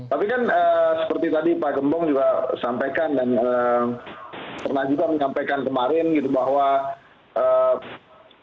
tapi kan seperti tadi pak gembong juga sampaikan dan pernah juga menyampaikan kemarin gitu bahwa